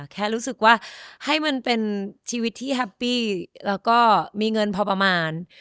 แค่รู้สึกว่าให้มันเป็นชีวิตที่แฮปปี้แล้วก็มีเงินพอประมาณ